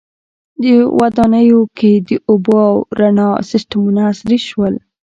• ودانیو کې د اوبو او رڼا سیستمونه عصري شول.